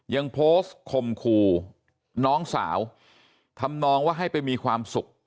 ยังโพสต์คมคู่น้องสาวทำนองว่าให้ไปมีความสุข